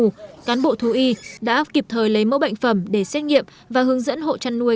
trong tháng bốn cán bộ thú y đã kịp thời lấy mẫu bệnh phẩm để xét nghiệm và hướng dẫn hộ chăn nuôi